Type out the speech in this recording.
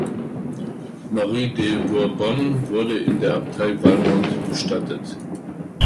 Marie de Bourbon wurde in der Abtei Valmont bestattet.